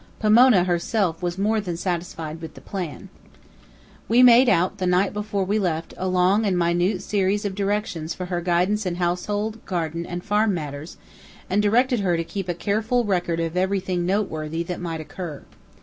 Pomona herself was more than satisfied with the plan. We made out, the night before we left, a long and minute series of directions for her guidance in household, garden and farm matters, and directed her to keep a careful record of everything note worthy that might occur.